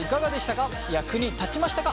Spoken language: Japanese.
役に立ちましたか？